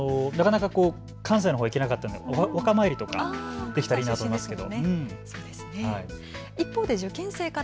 私も関西のほうになかなか行けなかったのでお墓参りとかできたらいいなと思いますけど。